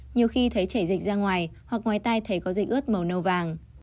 nhiều khi thấy chảy dịch ra ngoài hoặc ngoài tay thấy có dịch ướt màu nâu vàng